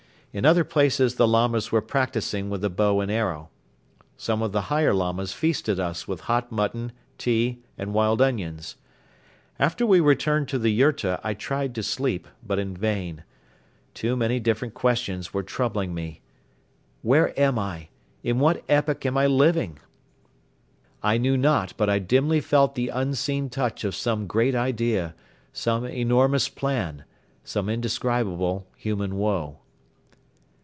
In other places the Lamas were practising with the bow and arrow. Some of the higher Lamas feasted us with hot mutton, tea and wild onions. After we returned to the yurta I tried to sleep but in vain. Too many different questions were troubling me. "Where am I? In what epoch am I living?" I knew not but I dimly felt the unseen touch of some great idea, some enormous plan, some indescribable human woe.